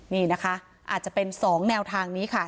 นี่นะคะอาจจะเป็น๒แนวทางนี้ค่ะ